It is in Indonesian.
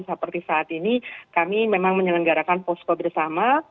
seperti saat ini kami memang menyelenggarakan posko bersama